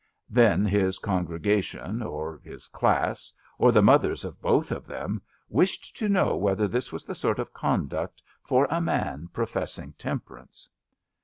Then his congregation or his class^ or the mothers of both of them, wished to know whether this was the sort of conduct for a man professing temperance.